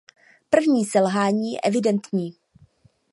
První selhání je evidentní.